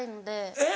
えっ？